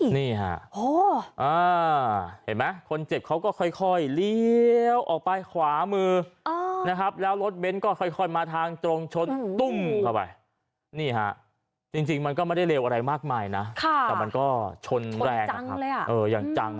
นี่ฮะเห็นไหมคนเจ็บเขาก็ค่อยเลี้ยวออกไปขวามือนะครับแล้วรถเบ้นก็ค่อยมาทางตรงชนตุ้มเข้าไปนี่ฮะจริงมันก็ไม่ได้เร็วอะไรมากมายนะแต่มันก็ชนแรงนะครับอย่างจัง